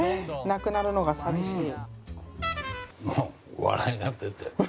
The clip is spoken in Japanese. なくなるのが寂しい。